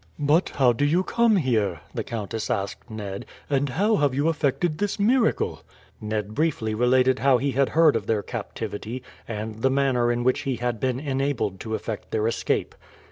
"But how do you come here?" the countess asked Ned, "and how have you effected this miracle?" Ned briefly related how he had heard of their captivity, and the manner in which he had been enabled to effect their escape.